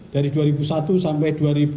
dari dua ribu satu sampai dua ribu lima belas